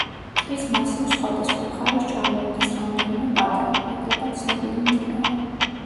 ტყის მასივს სხვადასხვა მხარეს ჩამოუდის რამდენიმე პატარა, ნაკლებად ცნობილი მდინარე.